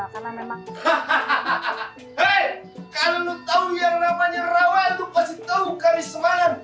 hahaha hei kalau lu tau yang namanya rawat lu pasti tau kali semalam